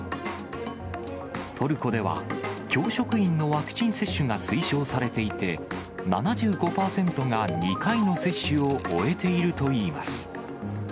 トルコでは、教職員のワクチン接種が推奨されていて、７５％が２回の接種を終えているといいます。